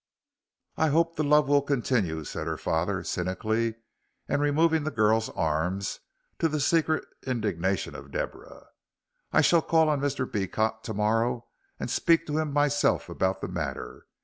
"I hope the love will continue," said her father, cynically, and removing the girl's arms, to the secret indignation of Deborah. "I shall call on Mr. Beecot to morrow and speak to him myself about the matter.